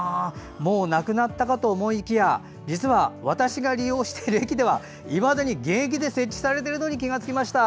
もうなくなったかと思いきや実は私が利用している駅ではいまだに現役で設置されているのに気付きました。